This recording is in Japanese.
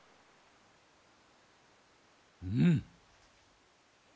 うん！